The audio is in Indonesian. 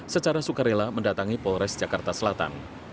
secara sukarela mendatangi polres jakarta selatan